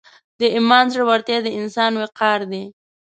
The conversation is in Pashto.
د ایمان زړورتیا د انسان وقار دی.